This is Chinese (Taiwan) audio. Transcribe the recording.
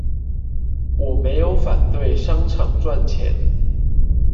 我沒有反對商場賺錢